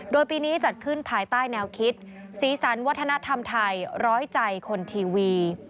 โดยปีนี้จัดขึ้นภายใต้แนวคิดสีสันวัฒนธรรมไทยร้อยใจคนทีวี